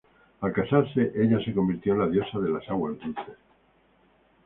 Al casarse, ella se convirtió en la diosa de las aguas dulces.